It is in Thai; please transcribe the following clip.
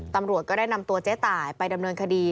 ตำรวจก็ได้นำตัวเจ๊ตายไปดำเนินคดี